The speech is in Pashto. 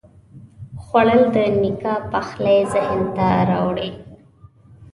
خوړل د نیکه پخلی ذهن ته راوړي